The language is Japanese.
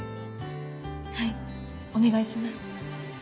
はいお願いします。